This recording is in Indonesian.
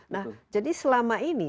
nah jadi selama ini